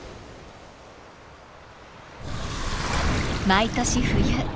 毎年冬